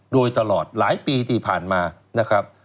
โดยตลอดหลายปีที่ผ่านมานะครับ